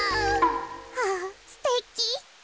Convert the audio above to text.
あぁすてき！